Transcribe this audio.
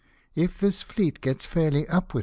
" If this fleet gets fairly up with M.